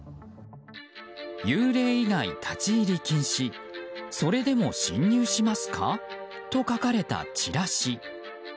幽霊以外立ち入り禁止それでも侵入しますか？と書かれたチラシ。